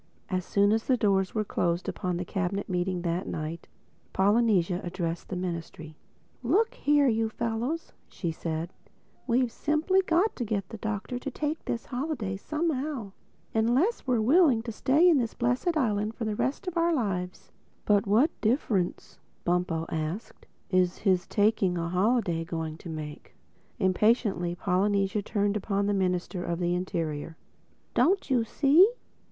As soon as the doors were closed upon the Cabinet Meeting that night, Polynesia addressed the Ministry: "Look here, you fellows," said she: "we've simply got to get the Doctor to take this holiday somehow—unless we're willing to stay in this blessed island for the rest of our lives." "But what difference," Bumpo asked, "is his taking a holiday going to make?" Impatiently Polynesia turned upon the Minister of the Interior. "Don't you see?